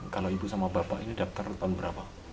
kalau ibu sama bapak ini daftar tahun berapa